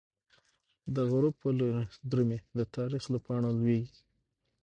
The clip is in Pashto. دغروب په لوری درومی، د تاریخ له پاڼو لویږی